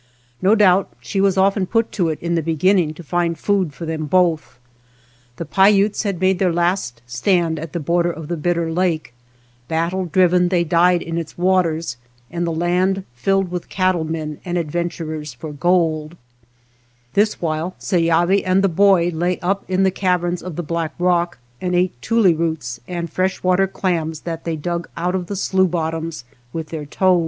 No doubt she was often put to it in the begin ning to find food for them both. The Paiutes had made their last stand at the border of the Bitter Lake ; battle driven they died in its waters, and the land filled with cattle men and adventurers for gold : this while Seyavi and the boy lay up in the caverns of the Black Rock and ate tule roots and fresh water clams that they dug out of the slough bottoms with their toes.